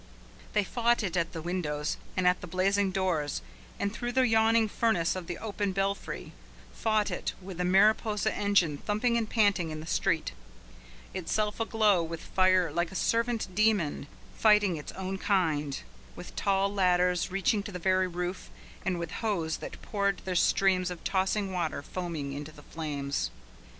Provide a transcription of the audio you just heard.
They fought it at the windows, and at the blazing doors, and through the yawning furnace of the open belfry; fought it, with the Mariposa engine thumping and panting in the street, itself aglow with fire like a servant demon fighting its own kind, with tall ladders reaching to the very roof, and with hose that poured their streams of tossing water foaming into the flames.